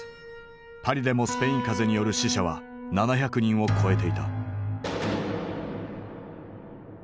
パリでもスペイン風邪による死者は７００人を超えていた。